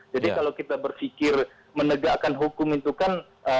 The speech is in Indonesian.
jadi kalau kita berfikir menegakkan hukum itu kan